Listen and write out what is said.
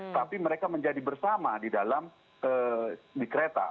tapi mereka menjadi bersama di dalam di kereta